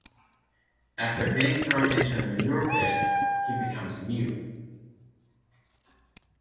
After being thrown into a manure pit, he becomes mute.